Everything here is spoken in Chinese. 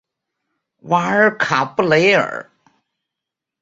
瓦尔卡布雷尔。